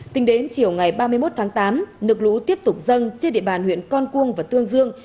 tính đến chiều ngày ba mươi một tháng tám nước lũ tiếp tục dâng trên địa bàn huyện con cuông và tương dương